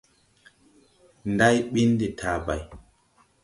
Nday ɓin de taabay.